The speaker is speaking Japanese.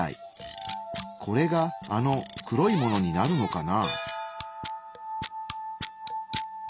これがあの黒いものになるのかな？